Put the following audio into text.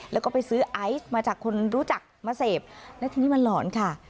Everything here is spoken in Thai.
แล้วก็ไปซื้อไอซ์มาจากคนรู้จักมาเสพแล้วทีนี้มันหลอนค่ะ